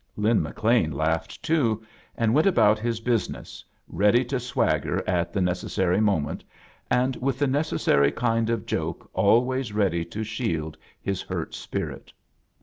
Lin McLean laughed, too, and went ^ about his business, ready to swagger at the necessary moment, and with the nec essary kind of joke always ready to shield his hurt spirit.